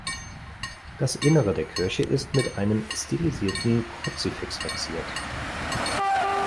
Das Innere der Kirche ist mit einem stilisierten Kruzifix verziert.